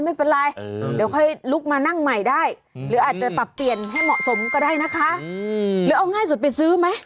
ไม่เป็นไรเดี๋ยวค่อยลุกมานั่งใหม่ได้หรืออาจจะปรับเปลี่ยนให้เหมาะสมก็ได้นะคะหรือเอาง่ายสุดไปซื้อไหม